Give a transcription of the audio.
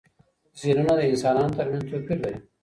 زهنونه د انسانانو ترمنځ توپیر لري.